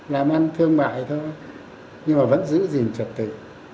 làm ăn thương mại thôi nhưng mà vẫn giữ gìn trật tự